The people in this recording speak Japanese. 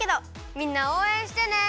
みんなおうえんしてね！